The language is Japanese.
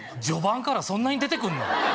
序盤からそんなに出てくんの？